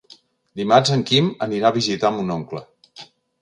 Dimarts en Quim anirà a visitar mon oncle.